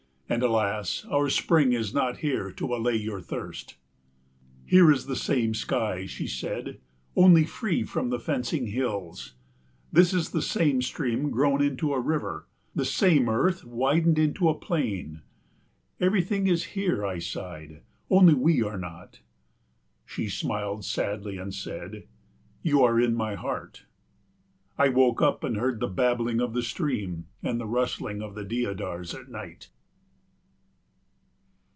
And, alas, our spring is not here to allay your thirst." "Here is the same sky," she said, "only free from the fencing hills, this is the same stream grown into a river, the same earth widened into a plain." "Everything is here," I sighed, "only we are not." She smiled sadly and said, "You are in my heart." I woke up and heard the babbling of the stream and the rustling of the deodars at night.